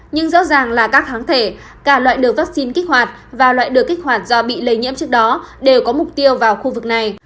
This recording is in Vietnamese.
nhưng rõ ràng là các kháng thể cả loại được vaccine kích hoạt và loại được kích hoạt do bị lây nhiễm trước đó đều có mục tiêu vào khu vực này